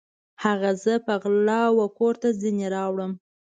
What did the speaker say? هغه زه په غلا وکور ته ځیني راوړم